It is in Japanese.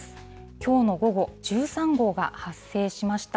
きょうの午後、１３号が発生しました。